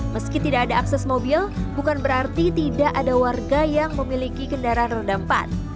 meski tidak ada akses mobil bukan berarti tidak ada warga yang memiliki kendaraan roda empat